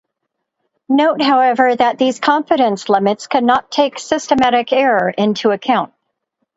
Note, however, that these confidence limits cannot take systematic error into account.